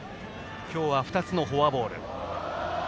今日は２つのフォアボール。